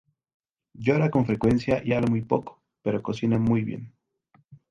Llora con frecuencia y habla muy poco, pero cocina muy bien.